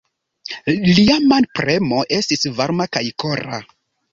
Lia manpremo estis varma kaj kora.